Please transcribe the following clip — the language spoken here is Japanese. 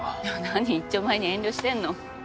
何いっちょ前に遠慮してんの。